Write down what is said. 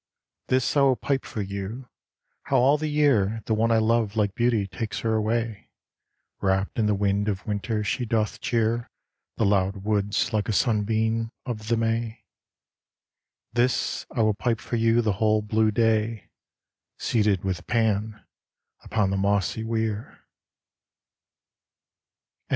This I will pipe for you, how all the year The one I love like Beauty takes her way. Wrapped in the wind of winter she doth cheer The loud woods like a sunbeam of the May. This I will pipe for you the whole blue day Seated with Pan upon the mossy weir.